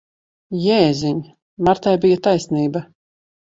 Jēziņ! Martai bija taisnība.